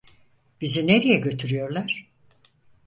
Bizi nereye götürüyorlar?